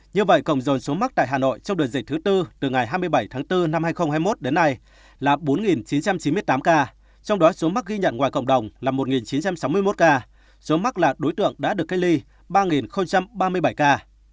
như vậy cổng dồn số mắc tại hà nội trong đợt dịch thứ tư từ ngày hai mươi bảy tháng bốn năm hai nghìn hai mươi một đến nay là bốn chín trăm chín mươi tám ca trong đó số mắc ghi nhận ngoài cộng đồng là một chín trăm sáu mươi một ca số mắc là đối tượng đã được cách ly ba ba mươi bảy ca